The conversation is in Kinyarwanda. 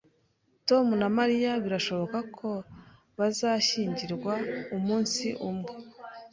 Tom na Mariya birashoboka ko bazashyingirwa umunsi umwe